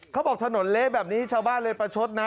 เค้าบอกถนนเละแบบนี้ชาวบ้านเลยเปลือกนะ